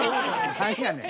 何やねん。